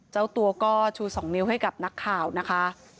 เจ้าตัวก็ชู๒นิ้วให้กับนักข่าวนะคะ